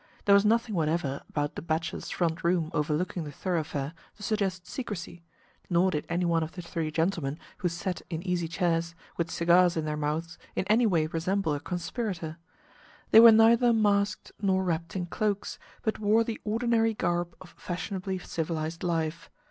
There was nothing whatever about the bachelor's front room overlooking the thoroughfare to suggest secrecy, nor did any one of the three gentlemen who sat in easy chairs, with cigars in their mouths, in any way resemble a conspirator. They were neither masked nor wrapped in cloaks, but wore the ordinary garb of fashionably civilized life.